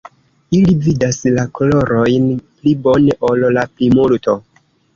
Ili vidas la kolorojn pli bone ol la plimulto.